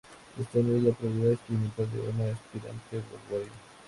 Esta no es la prohibida experimentación de una aspirante vanguardia.